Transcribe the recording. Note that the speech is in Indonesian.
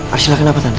arsila kenapa tante